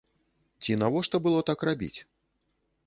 Ці навошта было так рабіць?